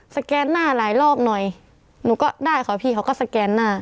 แกนหน้าหลายรอบหน่อยหนูก็ได้ค่ะพี่เขาก็สแกนหน้า